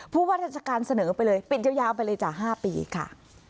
ผู้พัฒนาการเสนอไปเลยปิดยาวไปเลยจ่ะ๕ปีค่ะ